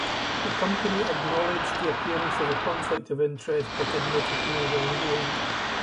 The company acknowledged the appearance of a conflict of interest, but admitted no wrongdoing.